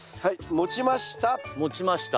持ちました。